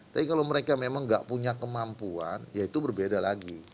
tapi kalau mereka memang nggak punya kemampuan ya itu berbeda lagi